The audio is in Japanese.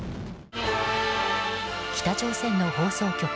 北朝鮮の放送局